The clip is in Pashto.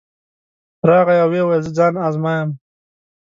راغی او ویې ویل زه ځان ازمایم.